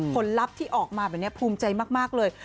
คนลับที่ออกมากันเนี่ยภูมิใจมากเลย